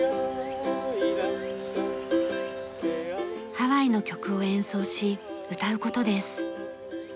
ハワイの曲を演奏し歌う事です。